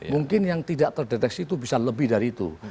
mungkin yang tidak terdeteksi itu bisa lebih dari itu